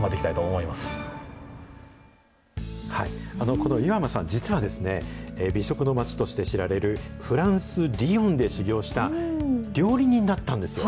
この岩間さん、実は美食の街として知られるフランス・リヨンで修業した料理人だったんですよ。